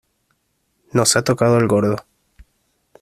nos ha tocado el gordo.